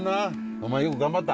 お前よく頑張った。